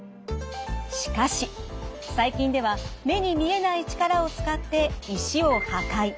しかし最近では目に見えない力を使って石を破壊。